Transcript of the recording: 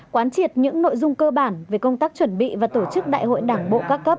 quán triệt những nội dung cơ bản về công tác chuẩn bị và tổ chức đại hội đảng bộ các cấp